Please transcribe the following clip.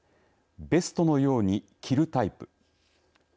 ベストのように着るタイプ。